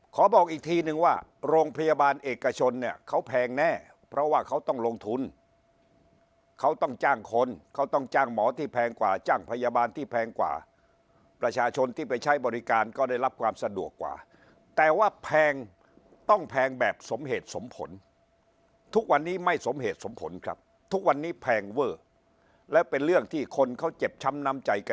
บอกอีกทีนึงว่าโรงพยาบาลเอกชนเนี่ยเขาแพงแน่เพราะว่าเขาต้องลงทุนเขาต้องจ้างคนเขาต้องจ้างหมอที่แพงกว่าจ้างพยาบาลที่แพงกว่าประชาชนที่ไปใช้บริการก็ได้รับความสะดวกกว่าแต่ว่าแพงต้องแพงแบบสมเหตุสมผลทุกวันนี้ไม่สมเหตุสมผลครับทุกวันนี้แพงเวอร์และเป็นเรื่องที่คนเขาเจ็บช้ำน้ำใจก